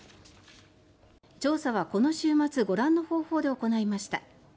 調査はこの週末ご覧の方法で行いました。